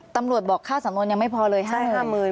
ตำรวจบอกค่าสำนวนยังไม่พอเลย๕หมื่นใช่๕หมื่น